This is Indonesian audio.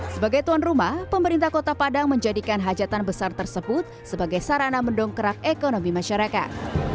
sebagai tuan rumah pemerintah kota padang menjadikan hajatan besar tersebut sebagai sarana mendongkrak ekonomi masyarakat